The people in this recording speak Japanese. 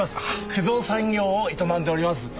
不動産業を営んでおります。